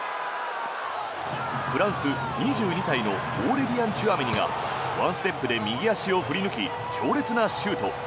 フランス、２２歳のオーレリアン・チュアメニがワンステップで右足を振り抜き強烈なシュート。